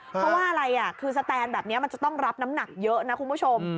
เพราะว่าอะไรคือสแตนแบบนี้มันจะต้องรับน้ำหนักเยอะนะคุณผู้ชม